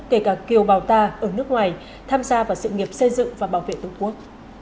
kể cả kiều bào ta ở nước ngoài tham gia vào sự nghiệp xây dựng và bảo vệ tổ quốc